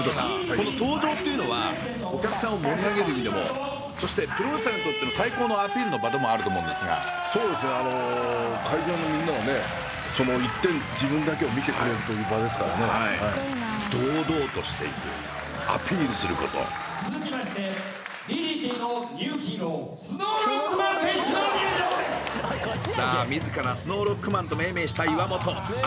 この登場っていうのはお客さんを盛り上げる意味でもそしてプロレスラーにとっての最高のアピールの場でもあると思うんですがそうですねあの会場のみんなはねその一点自分だけを見てくれるという場ですからね堂々としていくアピールすることガウンを羽織っているそのガウンをわざわざ脱いでむき出しですよ！